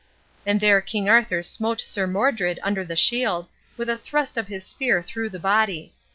And there King Arthur smote Sir Modred under the shield, with a thrust of his spear through the body.